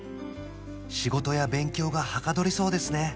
仕事や勉強がはかどりそうですね